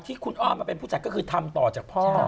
ที่คุณอ้อนมาเป็นผู้จัดก็คือทำต่อจากพ่อ